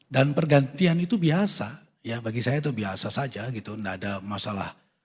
pergantian itu biasa ya bagi saya itu biasa saja gitu nggak ada masalah